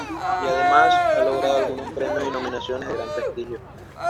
Y además ha logrado algunos premios y nominaciones de gran prestigio.